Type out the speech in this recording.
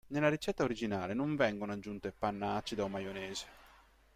Nella ricetta originale non vengono aggiunte panna acida o maionese.